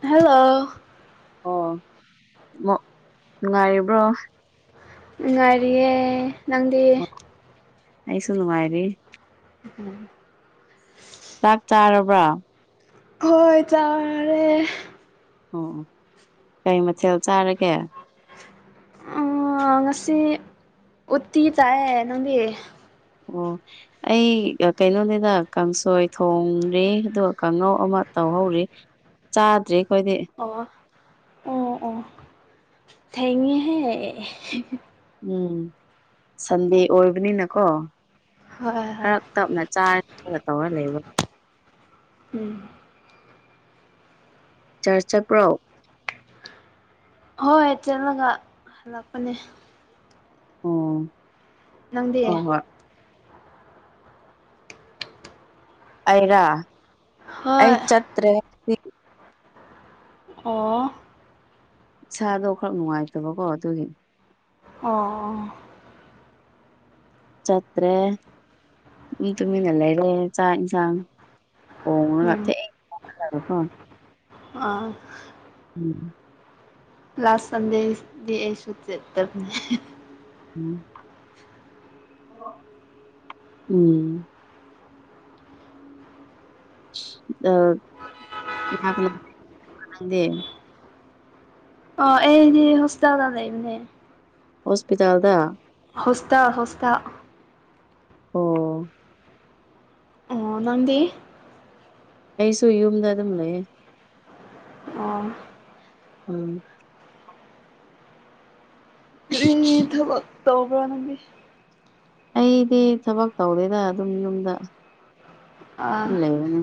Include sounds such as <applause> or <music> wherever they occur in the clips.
ꯍꯥꯜꯂꯣ ꯑꯣ ꯃꫭ ꯅꯨꯡꯉꯥꯏꯔꯤꯕ꯭ꯔꯣ ꯅꯨꯡꯉꯥꯏꯔꯤꯌꯦ ꯅꯪꯗꯤ ꯑꯩꯁꯨ ꯅꯨꯡꯉꯥꯏꯔꯤ <unintelligible> ꯆꯥꯛ ꯆꯥꯔꯕ꯭ꯔꯥ ꯍꯣꯏ ꯆꯥꯔꯦ ꯑꯣ ꯀꯩ ꯃꯊꯦꯜ ꯆꯥꯔꯒꯦ ꯑꯝ ꯉꯁꯤ ꯎꯠꯇꯤ ꯇꯥꯢꯌꯦ ꯅꯪꯗꯤ ꯑꯣ ꯑꯩ ꯀꯩꯅꯣꯅꯤꯅ ꯀꯥꯡꯁꯣꯏ ꯊꯣꯗ꯭ꯔꯤ ꯑꯗꯣ ꯀꯥꯡꯉꯧ ꯑꯃ ꯇꯧꯍꯧꯔꯤ ꯆꯥꯗ꯭ꯔꯤ ꯑꯩꯈꯣꯏꯗꯤ ꯑꯣ ꯑꯣ ꯑꯣ ꯊꯦꯡꯉꯦꯍꯦ ꯎꯝ ꯁꯟꯗꯦ ꯑꯣꯏꯕꯅꯤꯅꯀꯣ ꯍꯣꯏ ꯍꯣꯏ ꯍꯣꯏ ꯈꯔ ꯇꯞꯅ ꯆꯥꯔ ꯇꯧꯔ ꯂꯩꯕ ꯎꯝ ꯆꯔꯆ ꯆꯠꯄ꯭ꯔꯣ ꯍꯣꯏ ꯆꯠꯂꯒ ꯍꯜꯂꯛꯄꯅꯦ ꯑꯣ ꯅꯪꯗꯤ ꯍꯣꯏ ꯍꯣꯏ ꯑꯩꯔꯥ ꯑꯩ ꯍꯣꯏ ꯆꯠꯇ꯭ꯔꯦ ꯑꯣ ꯏꯁꯥꯗꯣ ꯈꯔ ꯅꯨꯡꯉꯥꯏꯇꯕꯀꯣ ꯑꯗꯨꯒꯤ ꯑꯣ ꯆꯠꯇ꯭ꯔꯦ ꯇꯨꯃꯤꯟꯅ ꯂꯩꯔꯦ ꯆꯥꯛ ꯏꯟꯁꯥꯡ ꯎꯝ <unintelligible> ꯑꯥ ꯎꯝ ꯂꯥꯁ ꯁꯟꯗꯦꯗꯤ ꯑꯩꯁꯨ ꯆꯠꯇꯕꯅꯦ ꯎꯝ ꯎꯝ ꯑ <unintelligible> ꯑ ꯑꯦꯗꯤ ꯍꯣꯁꯇꯦꯜꯗ ꯂꯩꯕꯅꯦ ꯍꯣꯁꯄꯤꯇꯥꯜꯗ ꯍꯣꯁꯇꯦꯜ ꯍꯣꯁꯇꯦꯜ ꯑꯣ ꯑꯣ ꯅꯪꯗꯤ ꯑꯩꯁꯨ ꯌꯨꯝꯗ ꯑꯗꯨꯝ ꯂꯩꯌꯦ ꯑꯣ ꯎꯝ ꯀꯔꯤ ꯊꯕꯛ ꯇꯧꯕ꯭ꯔꯣ ꯅꯪꯒꯤ ꯑꯩꯗꯤ ꯊꯕꯛ ꯇꯧꯗꯦꯗ ꯑꯗꯨꯝ ꯌꯨꯝꯗ ꯑꯥ ꯎ ꯂꯩꯕꯅꯦ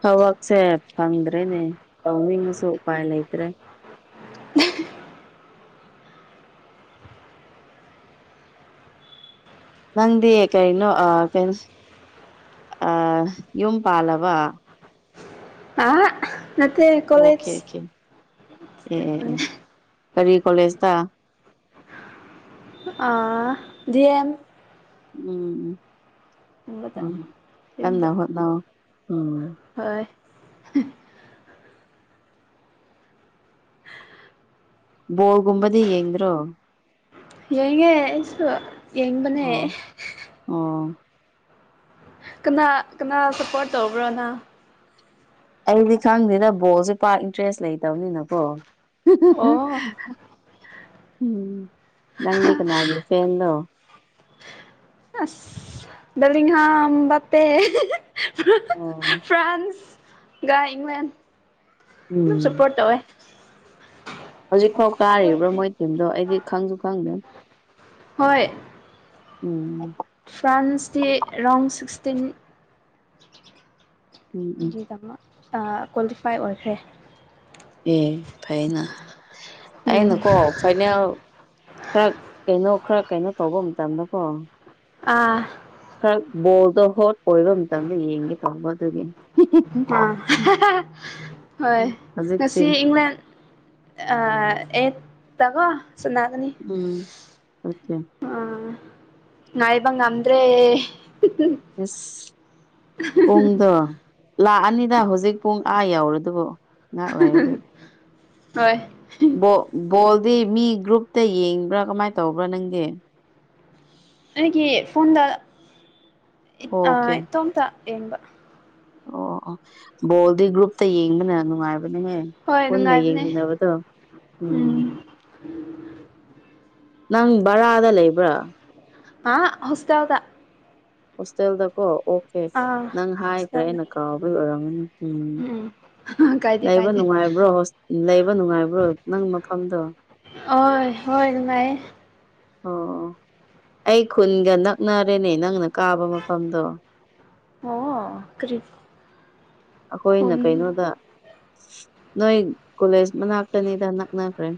ꯊꯕꯛꯁꯦ ꯐꯪꯗ꯭ꯔꯦꯅꯦ ꯇꯧꯅꯤꯡꯉꯁꯨ ꯎꯄꯥꯏ ꯂꯩꯇ꯭ꯔꯦ ꯅꯪꯗꯤ ꯀꯩꯅꯣ ꯑ ꯀꯩ ꯑ ꯌꯨꯝ ꯄꯥꯂꯕ ꯑ ꯅꯇꯦ ꯑꯣꯀꯦ ꯀꯣꯂꯦꯖ ꯑꯣꯀꯦ ꯑꯦ ꯑꯦ ꯑꯦ ꯀꯔꯤ ꯀꯣꯂꯦꯖꯇ ꯑ ꯗꯦꯝ ꯎꯝ ꯒꯨꯝꯕꯗ ꯌꯨꯝꯗ ꯀꯟꯅ ꯍꯣꯠꯅꯧ ꯎꯝ ꯍ ꯕꯣꯜꯒꯨꯝꯕꯗꯤ ꯌꯦꯗ꯭ꯔꯣ ꯌꯦꯡꯉꯦ ꯑꯩꯁꯨ ꯌꯦꯡꯕꯅꯦ ꯑꯣ ꯑꯣ ꯀꯅꯥ ꯀꯅꯥ ꯁꯞꯄꯣꯔꯠ ꯇꯧꯕ꯭ꯔ ꯅꯪ ꯑꯩꯗꯤ ꯈꯪꯗꯦꯗ ꯕꯣꯜꯁꯦ ꯄꯥꯛ ꯏꯟꯇ꯭ꯔꯦꯁ ꯂꯩꯇꯕꯅꯤꯅꯀꯣ ꯑꯣ ꯍꯍꯍ ꯎꯝ ꯅꯪꯗꯤ ꯀꯅꯥꯒꯤ ꯐꯦꯟꯅꯣ ꯑ ꯗꯂꯤ ꯍꯥ ꯄꯦ ꯎꯝ ꯐ꯭ꯔꯥꯟꯁ ꯏꯪꯂꯪꯂ ꯑꯗꯨ ꯎꯝ ꯁꯄꯣꯠ ꯇꯧꯋꯦ ꯍꯧꯖꯤꯛꯐꯥꯎ ꯀꯥꯔꯤꯕ꯭ꯔꯣ ꯃꯣꯏ ꯇꯤꯝꯗꯣ ꯑꯩꯗꯤ ꯈꯪꯁꯨ ꯈꯪꯗꯦ ꯍꯣꯏ ꯎꯝ ꯐ꯭ꯔꯥꯟꯁꯀꯤ ꯔꯔꯥꯎꯟ ꯁꯤꯛꯁꯇꯤꯟ ꯎꯝ ꯎꯝ ꯗ ꯀ꯭ꯋꯥꯂꯤꯐꯥꯏ ꯑꯣꯏꯈ꯭ꯔꯦ ꯑꯦ ꯐꯥꯏꯅ ꯎꯝ ꯑꯩꯅꯀꯣ ꯐꯥꯏꯅꯦꯜ ꯈꯔ ꯀꯩꯅꯣ ꯈꯔ ꯀꯩꯅꯣ ꯇꯧꯕ ꯃꯇꯝꯗꯀꯣ ꯑꯥ ꯈꯔ ꯕꯣꯜꯗꯣ ꯍꯣꯠ ꯀꯣꯏꯕ ꯃꯇꯝꯗ ꯌꯦꯡꯒꯦ ꯇꯧꯕꯧꯕ ꯑꯗꯨꯒꯤ ꯑꯝ ꯍꯣꯏ ꯍꯧꯖꯤꯛꯇꯤ ꯉꯁꯤ ꯏꯪꯂꯦꯟ ꯑꯩꯠꯇꯀꯣ ꯎꯝ ꯑꯣꯀꯦ ꯅ ꯏꯕꯪ ꯅꯗ꯭ꯔꯦ ꯄꯨꯡꯗ ꯂꯥꯛꯑꯅꯤꯗ ꯍꯧꯖꯤꯛ ꯄꯨꯡ ꯑꯥ ꯌꯧꯔꯦ ꯑꯗꯨꯕꯨ ꯉꯥꯏꯍꯥꯛ ꯂꯩꯔꯗꯤ ꯍꯣꯏ ꯕꯣꯜꯗꯤ ꯃꯤ ꯒ꯭ꯔꯨꯞꯇ ꯌꯦꯡꯕ꯭ꯔꯥ ꯀꯃꯥꯏꯅ ꯇꯧꯕ꯭ꯔꯥ ꯅꯪꯗꯤ ꯑꯩꯒꯤ ꯐꯣꯟꯗ ꯑꯣꯀꯦ ꯏꯇꯣꯝꯇ ꯌꯦꯡꯕ ꯑꯣ ꯑꯣ ꯕꯣꯜꯗꯤ ꯒ꯭ꯔꯨꯞꯇ ꯌꯦꯡꯕꯅ ꯅꯨꯡꯉꯥꯏꯕ ꯍꯦ ꯍꯣꯏ ꯄꯨꯟꯅ ꯅꯨꯡꯉꯥꯏꯕꯅꯦ ꯌꯦꯡꯃꯤꯟꯅꯕꯗꯣ ꯎꯝ ꯅꯪ ꯕꯔꯥꯗ ꯂꯩꯕ꯭ꯔꯥ ꯑ ꯍꯁꯎꯗ ꯍꯣꯁꯇꯦꯜꯗꯀꯣ ꯑꯣꯀꯦ ꯅꯪ ꯍꯥꯏꯈ꯭ꯔꯦ ꯍꯣꯁꯇꯦꯜꯗ ꯑꯩꯅ ꯀꯥꯎꯕꯩ ꯑꯣꯏꯔꯝꯒꯅꯤ ꯎꯝ ꯎꯝ ꯀꯥꯏꯗꯦ ꯂꯩꯕ ꯀꯥꯏꯗꯦ ꯅꯨꯡꯉꯥꯏꯕ꯭ꯔꯣ ꯂꯩꯕ ꯅꯨꯡꯉꯥꯏꯕ꯭ꯔꯣ ꯅꯪ ꯃꯐꯝꯗꯣ ꯑ ꯍꯣꯏꯃꯥꯏ ꯑꯣ ꯑꯩ ꯈꯨꯟꯒ ꯅꯛꯅꯔꯦꯅꯦ ꯅꯪꯅ ꯀꯥꯕ ꯃꯐꯝꯗꯣ ꯑꯣ ꯀꯔꯤ ꯈꯨꯟ ꯑꯩꯈꯣꯏꯅ ꯀꯩꯅꯣꯗ ꯅꯣꯏ ꯀꯣꯂꯦꯖ ꯃꯅꯥꯛꯇꯅꯤꯗ ꯅꯛꯅꯈ꯭ꯔꯦ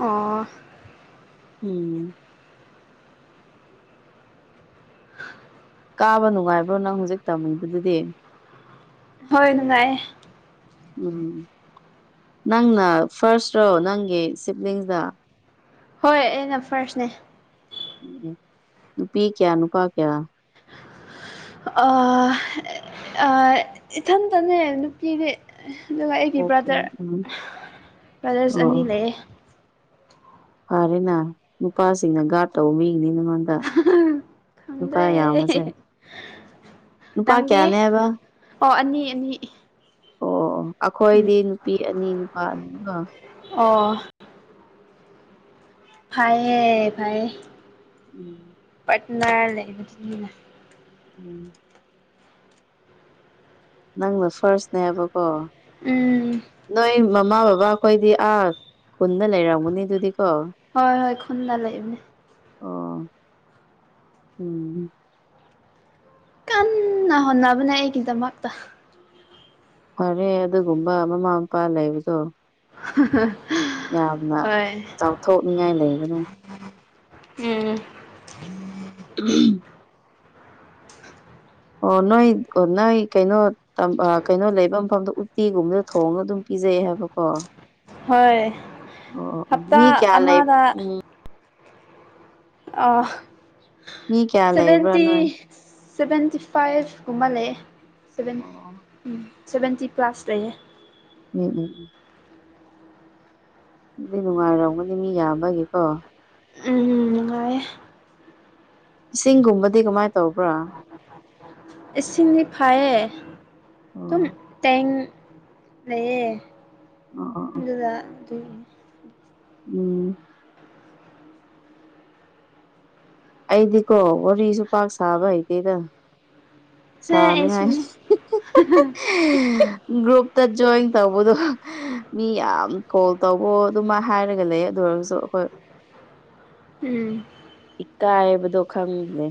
ꯑꯣ ꯎꯝ <unintelligible> ꯀꯥꯕ ꯅꯨꯡꯉꯥꯏꯕ꯭ꯔꯣ ꯅꯪ ꯍꯧꯖꯤꯛ ꯇꯝꯃꯤꯕꯗꯨꯗꯤ ꯍꯣꯏ ꯅꯨꯡꯉꯥꯏꯌꯦ ꯎꯝ ꯅꯪꯅ ꯐꯥꯔꯁ ꯔꯣ ꯅꯪꯒꯤ ꯁꯤꯞꯂꯤꯡꯁꯗ ꯍꯣꯏ ꯑꯩꯅ ꯐꯥꯔꯁꯅꯦ ꯅꯨꯄꯤ ꯀꯌꯥ ꯅꯨꯄꯥ ꯀꯌꯥ ꯏꯊꯟꯇꯅꯦ ꯅꯨꯄꯤꯗꯤ ꯑꯗꯨꯒ ꯑꯩꯒꯤ ꯑꯣꯀꯦ ꯕ꯭ꯔꯥꯗꯔ ꯎꯝ ꯕ꯭ꯔꯗꯔꯁ ꯑꯅꯤ ꯂꯩꯌꯦ ꯐꯔꯦꯅꯥ ꯅꯨꯄꯥꯁꯤꯡꯅ ꯒꯥ꯭ꯔꯗ ꯇꯧꯕꯤ ꯈꯪꯗ꯭ꯔꯦ ꯌꯥꯝꯕꯁꯦ ꯅꯨꯄꯥ ꯅꯪꯗꯤ ꯀꯌꯥꯅꯦꯕ ꯑꯣ ꯑꯅꯤ ꯑꯅꯤ ꯑꯣ ꯎꯝ ꯑꯩꯈꯣꯏꯗꯤ ꯅꯨꯄꯤ ꯑꯅꯤ ꯅꯨꯄꯥ ꯑꯅꯤꯒꯣ ꯑꯣ ꯐꯥꯏꯦ ꯐꯥꯏꯦ ꯎꯝ ꯄꯠꯅꯥ ꯂꯩ ꯎꯝ ꯅꯪꯅ ꯐꯥꯔꯁꯅꯦꯕꯀꯣ ꯎꯝ ꯅꯣꯏ ꯃꯃꯥ ꯕꯕꯥ ꯑꯩꯈꯣꯏꯗꯤ ꯑꯥ ꯀꯨꯟꯅ ꯂꯩꯔꯝꯒꯅꯤ ꯑꯗꯨꯗꯤ ꯍꯣꯏ ꯍꯣꯏ ꯈꯟꯗꯥ ꯂꯩꯕꯅꯦ ꯑꯣ ꯎꯝ ꯀꯟꯅ ꯍꯣꯠꯅꯕꯅꯦ ꯑꯩꯒꯤꯗꯃꯛꯇ ꯐꯔꯦ ꯑꯗꯨꯒꯨꯝꯕ ꯃꯃꯥ ꯃꯄꯥ ꯂꯩꯕꯗꯣ ꯌꯥꯝꯅ ꯍꯣꯏ ꯆꯥꯎꯊꯣꯛꯅꯤꯡꯉꯥꯏ ꯂꯩꯕꯅꯦ ꯎꯝ ꯎ ꯑꯣ ꯅꯣꯏ ꯅꯣꯏ ꯀꯩꯅꯣ ꯀꯩꯅꯣ ꯂꯩꯐꯝ ꯃꯐꯝꯗ ꯎꯇꯤꯒꯨꯝꯕꯗ ꯊꯣꯡꯅ ꯑꯗꯨꯝ ꯄꯤꯖꯩ ꯍꯥꯏꯕꯀꯣ ꯍꯣꯏ ꯑꯣ ꯍꯞꯇꯥ ꯃꯤ ꯀꯌꯥꯂ ꯂꯩ ꯑꯃꯗ ꯎꯝ ꯑ ꯃꯤ ꯀꯌꯥ ꯂꯩꯕ꯭ꯔꯥ ꯁꯚꯦꯟꯇꯤ ꯅꯣꯏ ꯁꯚꯦꯟꯇꯤ ꯐꯥꯏꯚꯒꯨꯝꯕ ꯂꯩꯌꯦ ꯁꯚꯦꯟ ꯑꯣ ꯎꯝ ꯁꯚꯦꯟꯇꯤ ꯄ꯭ꯂꯥꯁ ꯂꯩꯌꯦ ꯎꯝ ꯎꯝ ꯎꯝ ꯑꯗꯨꯗꯤ ꯅꯨꯡꯉꯥꯏꯔꯝꯒꯅꯤ ꯃꯤ ꯌꯥꯝꯕꯒꯤꯀꯣ ꯎꯝ ꯅꯨꯡꯉꯥꯏꯌꯦ ꯏꯁꯤꯡꯒꯨꯝꯕꯗꯤ ꯀꯃꯥꯏ ꯇꯧꯕ꯭ꯔꯥ ꯏꯁꯤꯡꯗꯤ ꯐꯥꯢꯌꯦ ꯑꯗꯨꯝ ꯑꯣ ꯇꯦꯡ ꯂꯦ ꯏ ꯑꯣ ꯑꯣ ꯑꯣ ꯎꯝ ꯑꯩꯗꯤꯀꯣ ꯋꯥꯔꯤꯁꯨ ꯄꯥꯛ ꯁꯥꯕ ꯍꯩꯇꯦꯗ ꯍꯦ ꯁꯥꯅꯤꯉ ꯑꯩꯁꯨꯅꯦ ꯭ꯔꯨ ꯇ ꯖꯣꯏꯟ ꯇꯧꯕꯗꯣ ꯃꯤ ꯌꯥꯝ ꯀꯣꯜ ꯇꯧꯕ ꯑꯗꯨꯃꯥꯏ ꯍꯥꯏꯔꯒ ꯂꯩ ꯑꯗꯨ ꯑꯣꯏꯔꯒꯁꯨ ꯑꯩꯈꯣꯏ <unintelligible> ꯎꯝ ꯀꯥꯏꯕꯗꯣ ꯈꯪꯅꯦ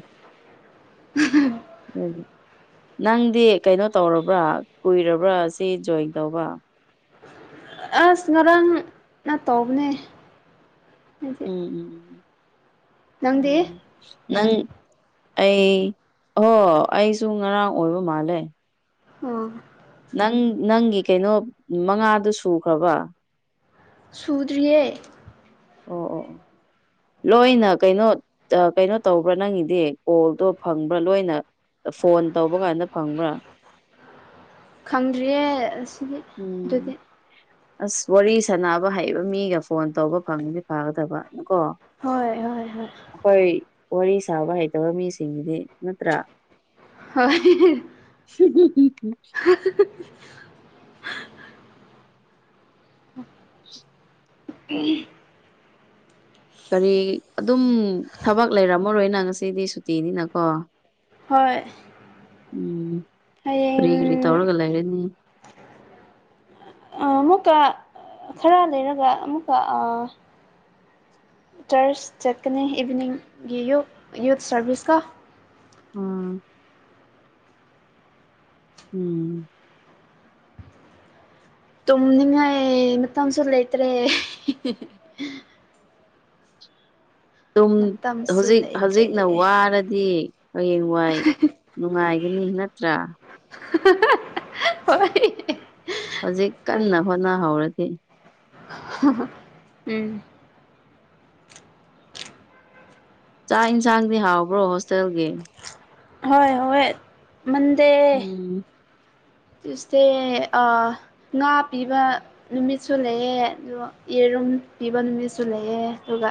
<unintelligible> ꯅꯪꯗꯤ ꯀꯩꯅꯣ ꯇꯧꯔꯕ꯭ꯔꯥ ꯀꯨꯏꯔꯕ꯭ꯔꯥ ꯁꯤ ꯖꯣꯏꯟ ꯇꯧꯕ ꯑꯁ ꯉꯔꯥꯡꯅ ꯇꯧꯕꯅꯦ ꯍꯥꯏꯗꯤ ꯎꯝ ꯎꯝ ꯅꯪꯗꯤ ꯎꯝ ꯅꯪ ꯑꯩ ꯑꯣꯣ ꯑꯩꯁꯨ ꯉꯔꯥꯡ ꯑꯣꯏꯕ ꯃꯥꯜꯂꯦ ꯑꯣ ꯅꯪ ꯅꯪꯒꯤ ꯀꯩꯅꯣ ꯃꯉꯥꯗꯨ ꯁꯨꯈ꯭ꯔꯕ ꯁꯨꯗ꯭ꯔꯤꯦ ꯑꯣ ꯑꯣ ꯑꯣ ꯂꯣꯏꯅ ꯀꯩꯅꯣ ꯀꯩꯅꯣ ꯇꯧꯕ꯭ꯔꯥ ꯅꯪꯒꯤꯗꯤ ꯀꯣꯜꯗꯣ ꯐꯪꯕ꯭ꯔꯥ ꯂꯣꯏꯅ ꯐꯣꯟ ꯇꯧꯕ ꯀꯥꯟꯗ ꯐꯪꯕ꯭ꯔꯥ ꯈꯪꯗ꯭ꯔꯤꯌꯦ ꯑꯁꯤꯒꯤꯗꯤ ꯎꯝ ꯑꯗꯨꯗꯤ ꯑꯁ ꯋꯥꯔꯤ ꯁꯥꯟꯅꯕ ꯍꯩꯕ ꯃꯤꯒ ꯐꯣꯟ ꯇꯧꯕ ꯐꯪꯉꯁ ꯐꯥꯒꯗꯕ ꯍꯣꯏ ꯍꯣꯏ ꯍꯣꯏ ꯑꯩꯈꯣꯏ ꯋꯥꯔꯤ ꯁꯥꯕ ꯍꯩꯇꯕ ꯃꯤꯁꯤꯡꯒꯤꯗꯤ ꯅꯠꯇ꯭ꯔꯥ ꯍ <unintelligible> <unintelligible> ꯀꯔꯤ ꯑꯗꯨꯝ ꯊꯕꯛ ꯂꯩꯔꯝꯃꯔꯣꯏꯅ ꯉꯁꯤꯗꯤ ꯁꯨꯇꯤꯅꯤꯅꯀꯣ ꯍꯣꯏ ꯎꯝ ꯀꯔꯤ ꯍꯌꯦꯡ ꯀꯔꯤ ꯇꯧꯔꯒ ꯂꯔꯅꯤ ꯑꯃꯨꯛꯀ ꯈꯔ ꯂꯩꯔꯒ ꯑꯃꯨꯛꯀ ꯇꯔꯁ ꯆꯠꯀꯅꯤ ꯏꯚꯤꯅꯤꯡꯒꯤ ꯌꯨ ꯌꯨꯠ ꯁꯥꯔꯚꯤꯁꯀ ꯑꯝ ꯎꯝ ꯇꯨꯝꯅꯤꯡꯉꯥꯏ ꯃꯇꯝꯁꯨ ꯂꯩꯇ꯭ꯔꯦ ꯃꯇꯝꯁꯨ ꯍꯧꯖꯤꯛ ꯂꯩꯇ꯭ꯔꯦ ꯍꯧꯖꯤꯛꯅ ꯋꯥꯔꯗꯤ ꯍꯌꯦꯡꯋꯥꯏ ꯅꯨꯡꯉꯥꯏꯒꯅꯤ ꯅꯠꯇ꯭ꯔꯥ ꯍ ꯍꯧꯖꯤꯛ ꯀꯟꯅ ꯍꯣꯠꯅꯍꯧꯔꯗꯤ ꯎꯝ ꯆꯥꯛ ꯌꯦꯟꯁꯥꯡꯗꯤ ꯍꯥꯎꯕ꯭ꯔꯣ ꯍꯣꯁꯇꯦꯜꯒꯤ ꯍꯣꯏ ꯍꯣꯏꯣꯏ ꯃꯗꯦ ꯎꯝ ꯇ꯭ꯌꯨꯁꯗꯦ ꯉꯥ ꯄꯤꯕ ꯅꯨꯃꯤꯠꯁꯨ ꯂꯩꯌꯦꯦ ꯑꯗꯣ ꯌꯦꯔꯨꯝ ꯄꯤꯕ ꯅꯨꯃꯤꯁꯨ ꯂꯩꯑꯦ ꯑꯗꯨꯒ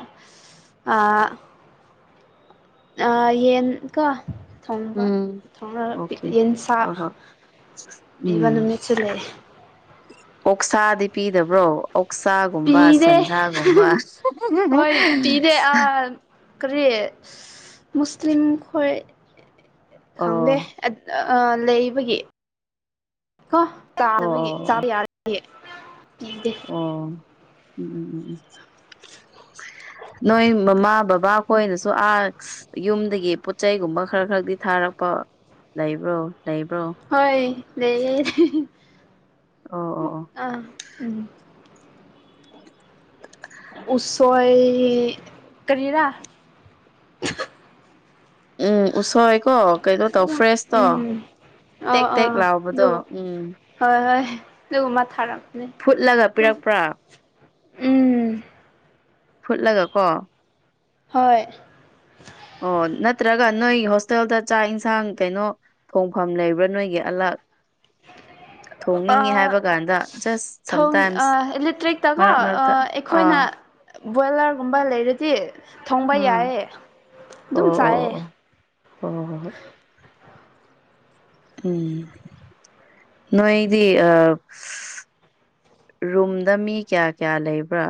ꯑ ꯌꯦꯟꯒ ꯊꯣꯡꯕ ꯎꯝ ꯊꯥꯎꯅ ꯑꯣꯀꯦ ꯌꯦꯟꯁ ꯍꯣꯏ ꯍꯣꯏ ꯏꯕ ꯎꯝ ꯅꯨꯃꯤꯠꯁꯤ ꯂꯩꯦ ꯑꯣꯛꯁꯥꯗꯤ ꯄꯤꯗꯕ꯭ꯔꯣ ꯑꯣꯛꯁꯥꯒꯨꯝꯕ ꯄꯤꯗꯦ ꯁꯟꯁꯥꯒꯨꯝꯕ ꯍꯣꯏ ꯄꯤꯗꯦ ꯑꯥ ꯀꯔꯤ ꯃꯨꯁꯂꯤꯝ ꯈꯣꯏ ꯈꯪꯗꯦ ꯑꯣ ꯂꯩꯕꯒꯤ ꯀꯣ ꯑꯣ ꯆꯥꯕꯒꯤ ꯆꯥ ꯑꯣ ꯌꯥꯔ ꯑꯣ ꯎꯝ ꯎ ꯎꯝ ꯅꯣꯏ ꯃꯃꯥ ꯕꯕꯥ ꯑꯩꯈꯣꯏꯅꯁꯨ ꯑ ꯌꯨꯝꯗꯒꯤ ꯄꯣꯠꯆꯩꯒꯨꯝꯕ ꯈꯔ ꯈꯔꯗꯤ ꯊ ꯊꯥꯔꯛꯄ ꯂꯩꯕ꯭ꯔꯣ ꯂꯩꯕ꯭ꯔꯣ ꯍꯣꯏ ꯂꯩ ꯑꯣ ꯑꯣ ꯑꯣ ꯑ ꯎꯝ ꯎ ꯎꯁꯣꯣꯏ ꯀꯔꯤꯔ ꯎꯝ ꯎꯁꯣꯏ ꯀ ꯀꯩꯩꯅꯣ ꯇꯧ ꯑꯗꯨꯝ ꯐ꯭ꯔꯦꯁꯇꯣ ꯎꯝ ꯇꯦꯛ ꯑꯥ ꯇꯦꯛ ꯑꯥ ꯂꯥꯎꯕꯗꯣ ꯎꯝ ꯂ ꯃꯥ ꯊꯔ ꯐꯨꯠꯂꯒ ꯄꯤꯔꯛꯄ꯭ꯔꯥ ꯎꯝ ꯐꯨꯠꯂꯒ ꯀꯣ ꯍꯣꯏ ꯑꯣ ꯅꯠꯇ꯭ꯔꯒ ꯅꯣꯏ ꯍꯣꯁꯇꯦꯜꯗ ꯆꯥꯛ ꯏꯟꯁꯥꯡ ꯀꯩꯅꯣ ꯊꯣꯡꯐꯝ ꯂꯩꯕ꯭ꯔꯥ ꯅꯣꯏꯒꯤ ꯑꯂꯛ <unintelligible> ꯊꯣꯡꯅꯤꯡꯉꯦ ꯍꯥꯏꯕ ꯀꯥꯟꯗ ꯖꯁ ꯊ ꯁꯝꯇꯥꯏꯝꯁ ꯏꯂꯦꯛꯇ꯭ꯔꯤꯛꯇꯀꯣ ꯃꯔꯛ ꯃꯔꯛꯇ ꯑꯥ ꯑꯩꯈꯣꯏꯅ ꯕꯣꯏꯂꯔꯒꯨꯝꯕ ꯂꯩꯔꯗꯤ ꯊꯣꯡꯕ ꯎꯝ ꯌꯥꯏꯑ ꯑꯗꯨꯝ ꯑꯣ ꯆꯥꯏꯌꯦ ꯑꯣ ꯑꯣ ꯑꯣ ꯍꯣ ꯍꯣ ꯍꯣꯏ ꯎꯝ ꯅꯣꯏꯗꯤ ꯑ ꯔꯨꯝꯗ ꯃꯤ ꯀꯌꯥ ꯀꯌꯥ ꯂꯩꯕ꯭ꯔꯥ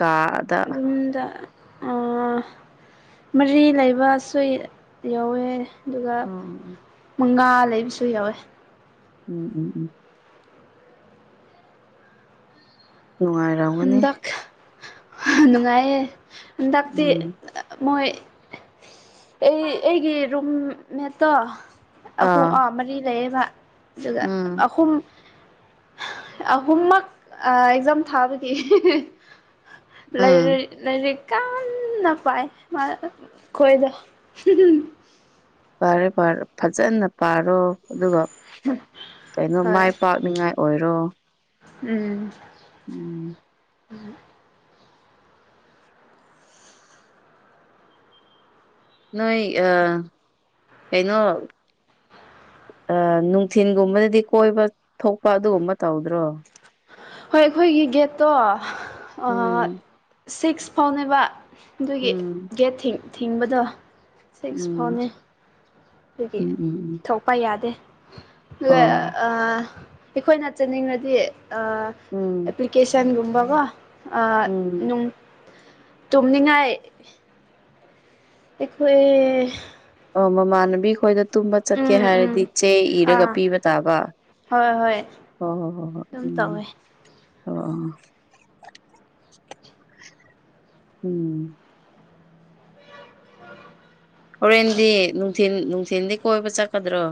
ꯀꯥꯗ ꯌꯨꯝꯗ ꯃꯔꯤ ꯂꯩꯕꯁꯨ ꯌꯥꯎꯋꯦ ꯑꯗꯨꯒ ꯎꯝ ꯃꯉꯥ ꯂꯩꯕꯁꯨ ꯌꯥꯎꯋꯦ ꯎꯝ ꯎꯝ ꯎꯝ ꯅꯨꯡꯉꯥꯏꯔꯝꯒꯅꯤ ꯅꯨꯡꯉꯥꯏꯌꯦꯦ ꯍꯟꯗꯛꯇꯤ ꯎꯝ ꯃꯣꯏ ꯑꯩ ꯑꯩꯒꯤ ꯔꯨꯝꯃꯦꯠꯇꯣ ꯑꯈꯨꯝ ꯑ ꯑꯥ ꯃꯔꯤ ꯂꯩꯦ ꯑꯗꯨꯒ ꯎꯝ ꯑꯍꯨꯝ ꯑꯍꯨꯝꯃꯛ ꯑꯦꯛꯖꯥꯝ ꯊꯥ ꯛ ꯎꯝ ꯂꯥꯏꯔꯤꯛ ꯀꯥꯟꯄꯥꯏ ꯃꯥ ꯈꯣꯏꯗ ꯄꯔꯦꯔꯦ ꯐꯖꯅ ꯄꯥꯔꯣ ꯑꯗꯨꯒ ꯀꯩꯅꯣ ꯍꯣꯏ ꯃꯥꯏ ꯄꯥꯛꯅꯤꯉꯥꯏ ꯑꯣꯏꯔꯣ ꯎꯝ <inaudible> ꯎꯝ ꯎꯝ <inaudible> ꯅꯣꯏ ꯑ ꯀꯩꯅꯣ ꯅꯨꯡꯊꯤꯤꯟꯒꯨꯝꯕꯗꯗꯤ ꯀꯣꯏꯕ ꯊꯣꯛꯄ ꯑꯗꯨꯒꯨꯝꯕ ꯇꯧꯗ꯭ꯔꯣ ꯍꯣꯏ ꯑꯩꯈꯣꯏꯒꯤ ꯒꯦꯠꯇꯣ ꯎꯝ ꯁꯤꯛꯁ ꯐꯥꯎꯅꯦꯕ ꯑꯗꯨꯒꯤ ꯎꯝ ꯒꯦꯠ ꯊꯤꯡꯕꯗ ꯁꯤꯛꯁ ꯎꯝ ꯐꯥꯎꯅꯤ ꯑꯗꯨꯒꯤ ꯎꯝ ꯎꯝ ꯎꯝ ꯊꯣꯛꯄ ꯌꯥꯗꯦ ꯑꯗꯨꯒ ꯑꯣ ꯑꯩꯈꯣꯏꯅ ꯆꯠꯅꯤꯡꯉꯗꯤ ꯎꯝ ꯑꯦꯄ꯭ꯂꯤꯀꯦꯁꯟꯒꯨꯝꯕꯀꯣ ꯎꯝ ꯑꯅꯨꯡ ꯇꯨꯝꯅꯤꯡꯉꯥꯏ ꯑꯩꯈꯣꯏ ꯑꯦ ꯑꯣ ꯃꯃꯥꯟꯅꯕꯤ ꯈꯣꯏꯗ ꯇꯨꯝꯕ ꯆꯠꯀꯦ ꯎꯝ ꯎꯝ ꯍꯥꯏꯔꯗꯤ ꯆꯦ ꯑꯥ ꯏꯔꯒ ꯄꯤꯕ ꯇꯥꯕ ꯍꯣꯏ ꯍꯣꯏ ꯍꯣ ꯍꯣ ꯑꯗꯨꯝ ꯍꯣꯍꯣꯢ ꯇꯧꯋꯦ ꯎꯝ ꯑ ꯎꯝ <unintelligible> <inaudible> ꯑ <unintelligible> <inaudible> ꯍꯣꯔꯦꯟꯗꯤ ꯅꯨꯡꯊꯤꯟ ꯅꯨꯡꯊꯤꯤꯟꯗꯤ ꯀꯣꯏꯕ ꯆꯠꯀꯗ꯭ꯔꯣ